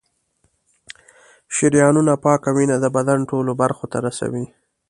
شریانونه پاکه وینه د بدن ټولو برخو ته رسوي.